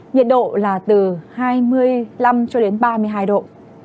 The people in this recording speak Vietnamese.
nhiệt độ là từ hai mươi năm ba mươi hai độ